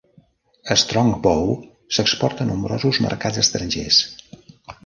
Strongbow s'exporta a nombrosos mercats estrangers.